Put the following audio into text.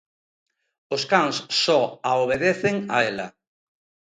Os cans só a obedecen a ela.